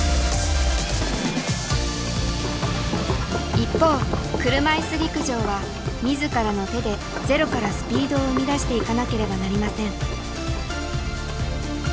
一方車いす陸上は自らの手でゼロからスピードを生み出していかなければなりません。